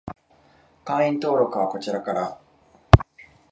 会員登録はこちらから